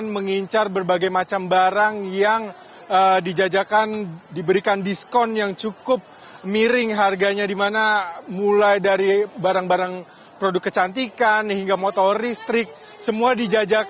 pekan raya jakarta